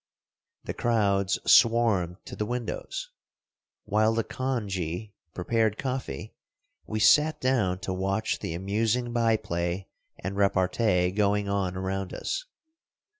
The crowds swarmed to the windows. While the khanji prepared coffee we sat down to watch the amusing by play and repartee going on around us.